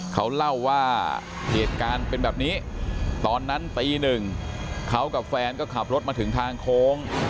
เขาเล่าว่าเหตุการณ์เป็นแบบนี้ตอนนั้นตีหนึ่งเขากับแฟนก็ขับรถมาถึงทางโค้ง